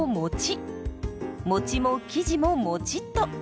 もちも生地ももちっと。